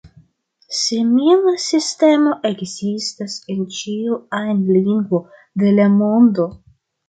Simila sistemo ekzistas en ĉiu ajn lingvo de la mondo.